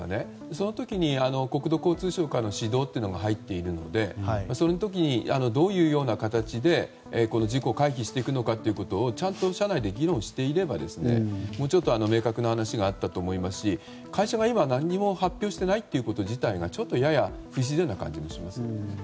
その時に、国土交通省からの指導が入っているのでその時にどういう形で事故を回避していくのかをちゃんと社内で議論していればもうちょっと明確な話があったと思いますし会社が今何も発表していないこと自体がやや不自然な感じがします。